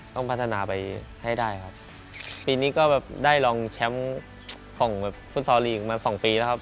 ต้องพัฒนาไปให้ได้ครับปีนี้ก็แบบได้รองแชมป์ของแบบฟุตซอลลีกมาสองปีแล้วครับ